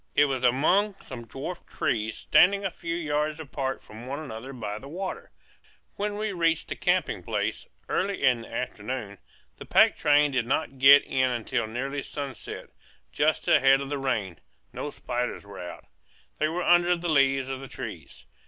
It was among some dwarf trees, standing a few yards apart from one another by the water. When we reached the camping place, early in the afternoon the pack train did not get in until nearly sunset, just ahead of the rain no spiders were out. They were under the leaves of the trees.